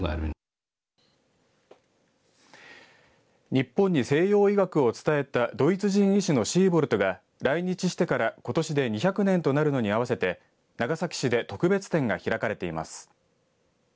日本に西洋医学を伝えたドイツ人医師のシーボルトが来日してからことしで２００年となるのに合わせて長崎市で特別展が開かれています。